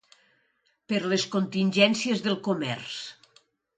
Per les contingències del comerç